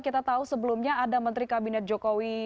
kita tahu sebelumnya ada menteri kabinet jokowi